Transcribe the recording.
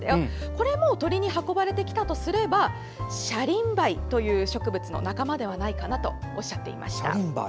これも鳥に運ばれてきたとすればシャリンバイという植物の仲間ではないかとおっしゃっていました。